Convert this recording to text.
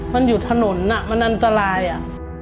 มันอยู่ถนนอ่ะมันอันตรายอ่ะ